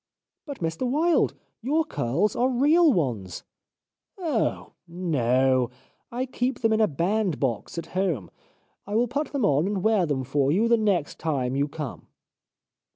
" But, Mr Wilde, your curls are real ones !"" Oh ! No ! I keep them in a bandbox at home. I will put them on and wear them for you the next time you come."